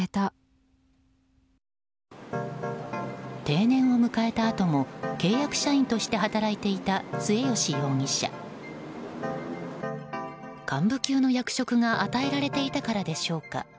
定年を迎えたあとも契約社員として働いていた末吉容疑者。幹部級の役職が与えられていたからでしょうか。